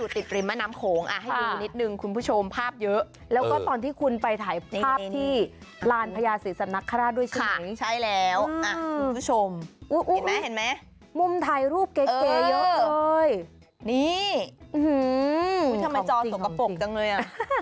ทำไมจอสกปรกจังเลย